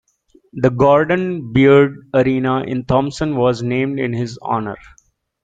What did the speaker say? The Gordon Beard arena in Thompson was named in his honour.